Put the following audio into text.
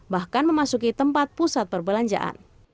bahkan memasuki tempat pusat perbelanjaan